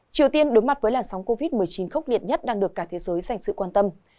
triều tiên đối mặt với làn sóng covid một mươi chín khốc liệt nhất đang được cả thế giới dành sự quan tâm